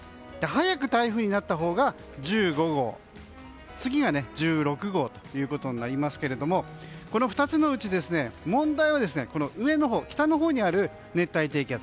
早く台風になったほうが１５号次が１６号となりますけれどもこの２つのうち問題は、上のほう北のほうにある熱帯低気圧。